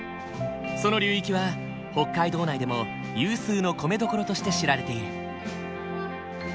その流域は北海道内でも有数の米どころとして知られている。